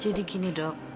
jadi gini dok